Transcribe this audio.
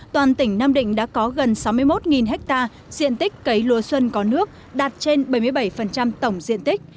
toàn tỉnh nam định đã có gần sáu mươi một ha diện tích cấy lúa xuân có nước đạt trên bảy mươi bảy tổng diện tích